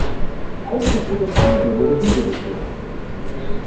Auch sein Bruder Manuel wurde hingerichtet.